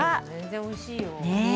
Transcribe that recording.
全然おいしいよ。